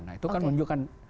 nah itu kan menunjukkan